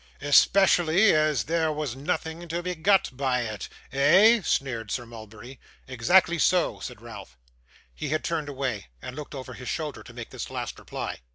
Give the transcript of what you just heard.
'Especially as there was nothing to be got by it eh?' sneered Sir Mulberry. 'Exactly so,' said Ralph. He had turned away, and looked over his shoulder to make this last reply.